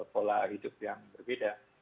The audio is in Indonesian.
pola hidup yang berbeda